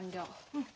うん。